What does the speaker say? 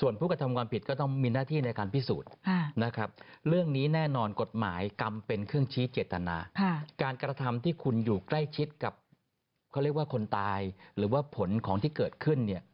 อยู่ใกล้ชิดกับเขาเรียกว่าคนตายหรือว่าผลของที่เกิดขึ้น